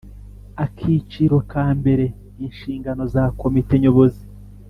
Akiciro ka mbere Inshingano za Komite Nyobozi